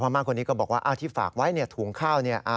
มาคนนี้ก็บอกว่าที่ฝากไว้เนี่ยถุงข้าวเนี่ย